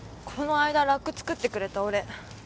この間ラック作ってくれたお礼。